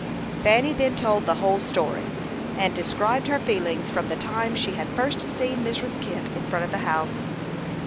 Fanny then told the whole story, and described her feelings from the time she had first seen Mrs. Kent in front of the house.